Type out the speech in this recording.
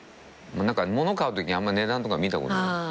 物買うときあんま値段とか見たことない。